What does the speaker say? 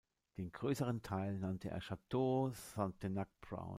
Den größeren Teil nannte er Château Cantenac-Brown.